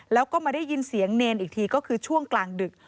แล้วก็มาได้ยินเสียงเนรอีกทีก็คือช่วงกลางดึก